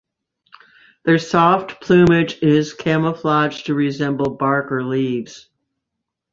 Their soft plumage is camouflaged to resemble bark or leaves.